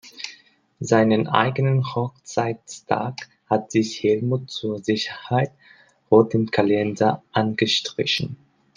Seinen eigenen Hochzeitstag hat sich Helmut zur Sicherheit rot im Kalender angestrichen.